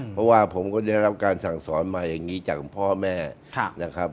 เพราะว่าผมก็ได้รับการสั่งสอนมาอย่างนี้จากพ่อแม่นะครับ